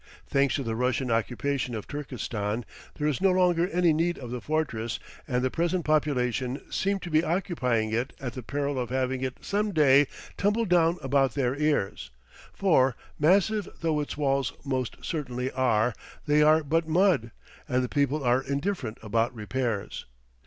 Thanks to the Russian occupation of Turkestan, there is no longer any need of the fortress, and the present population seem to be occupying it at the peril of having it some day tumble down about their ears; for, massive though its walls most certainly are, they are but mud, and the people are indifferent about repairs.